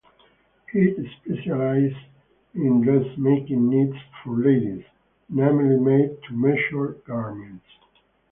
It specialised in dressmaking needs for ladies, namely made to measure garments.